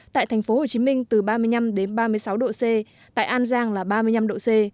tại tp hcm từ ba mươi năm đến ba mươi sáu độ c tại an giang là ba mươi năm độ c